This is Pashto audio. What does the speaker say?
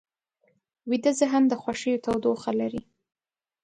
ویده ذهن د خوښیو تودوخه لري